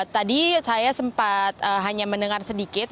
tadi saya sempat hanya mendengar sedikit